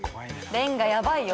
レンガやばいよ。